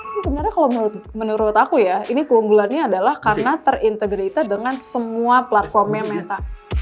sebenarnya kalau menurut aku ya ini keunggulannya adalah karena terintegrated dengan semua platformnya mental